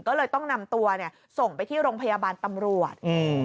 ก็เลยต้องนำตัวเนี่ยส่งไปที่โรงพยาบาลตำรวจ